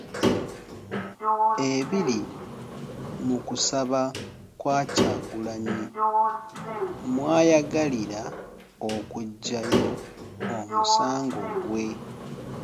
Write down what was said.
Ebiri mu kusaba kwa Kyagulanyi mw'ayagalira okuggyayo omusango gwe